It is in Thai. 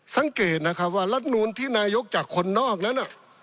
สังเกตนะครับว่ารัฐนูลที่นายกจากคนนอกแล้วน่ะ